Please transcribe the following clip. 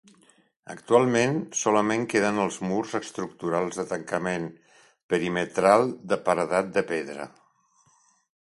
Actualment solament queden els murs estructurals de tancament perimetral de paredat de pedra.